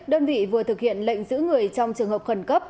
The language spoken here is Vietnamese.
đơn vị vừa thực hiện lệnh giữ người trong trường hợp khẩn cấp